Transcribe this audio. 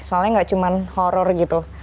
soalnya gak cuman horror gitu